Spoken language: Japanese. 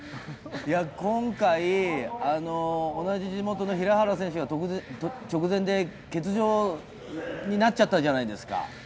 今回、同じ地元の平原選手が直前で欠場になっちゃったじゃないですか。